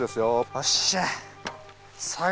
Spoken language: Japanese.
よっしゃあ！